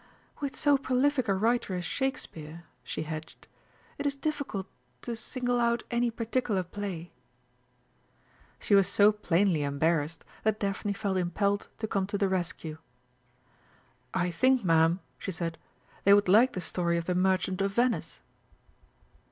"With so prolific a writer as Shakespeare," she hedged, "it is difficult to single out any particular play." She was so plainly embarrassed that Daphne felt impelled to come to the rescue. "I think, Ma'am," she said, "they would like the story of The Merchant of Venice!"